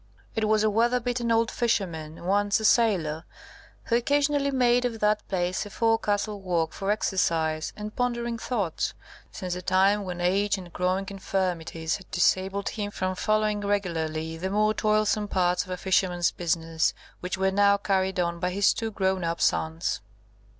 It was a weather beaten old fisherman, once a sailor, who occasionally made of that place a forecastle walk for exercise and pondering thoughts, since the time when age and growing infirmities had disabled him from following regularly the more toilsome parts of a fisherman's business, which were now carried on by his two grown up sons.